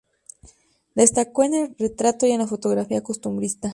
Destacó en el retrato y en la fotografía costumbrista.